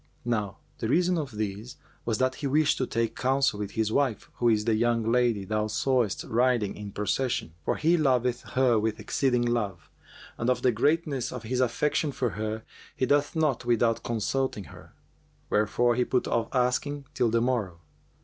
Now the reason of this was that he wished to take counsel with his wife, who is the young lady thou sawest riding in procession; for he loveth her with exceeding love, and of the greatness of his affection for her, he doth naught without consulting her; wherefore he put off asking till the morrow.